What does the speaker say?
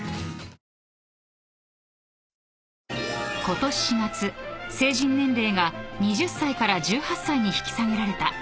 ［ことし４月成人年齢が２０歳から１８歳に引き下げられた。